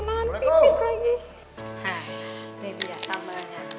nah ini dia tambahannya